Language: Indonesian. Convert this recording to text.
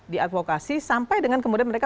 diadvokasi sampai dengan kemudian mereka